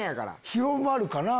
広まるかな？